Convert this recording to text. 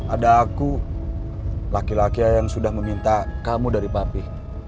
ada aku laki laki yang sudah meminta kamu dari papi